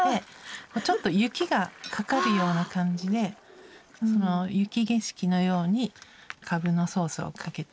ちょっと雪がかかるような感じでその雪景色のようにかぶのソースをかけた。